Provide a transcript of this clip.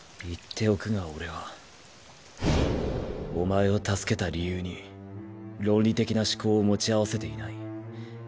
言っておくが俺はお前を助けた理由に論理的な思考を持ち合わせていない。